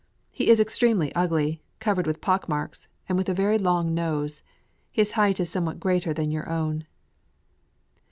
He is extremely ugly, covered with pockmarks, and with a very long nose. His height is somewhat greater than your own.